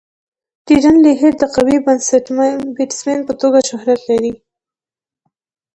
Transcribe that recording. ډیرن لیهر د قوي بيټسمېن په توګه شهرت لري.